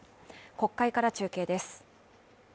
国会から中継です。